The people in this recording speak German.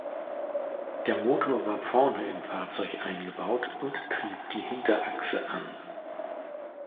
Der Motor war vorne im Fahrzeug eingebaut und trieb die Hinterachse an.